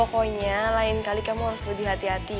ya udah deh pokoknya lain kali kamu harus lebih hati hati ya